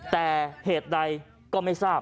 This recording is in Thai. แต่เหตุใดก็ไม่ทราบ